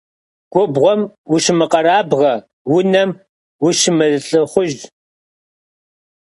Gubğuem vuşımıkherabğe, vunem vuşımılh'ıxhuj.